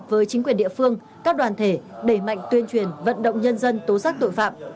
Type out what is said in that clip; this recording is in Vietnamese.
với các địa phương các đoàn thể đẩy mạnh tuyên truyền vận động nhân dân tố xác tội phạm